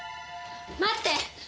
待って！